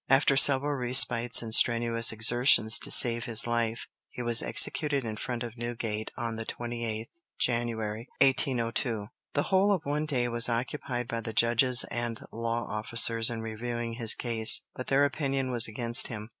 After several respites and strenuous exertions to save his life, he was executed in front of Newgate on the 28th January, 1802. The whole of one day was occupied by the judges and law officers in reviewing his case, but their opinion was against him.